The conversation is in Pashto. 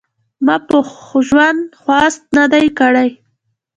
ما په ژوند خواست نه دی کړی .